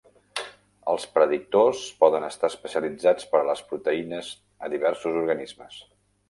Els predictors poden estar especialitzats per a les proteïnes a diversos organismes.